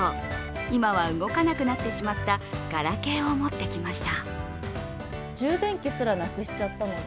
今は動かなくなってしまったガラケーを持ってきました。